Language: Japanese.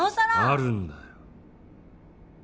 あるんだよ。